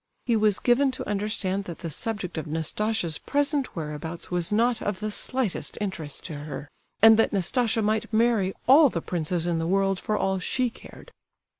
He was given to understand that the subject of Nastasia's present whereabouts was not of the slightest interest to her; and that Nastasia might marry all the princes in the world for all she cared!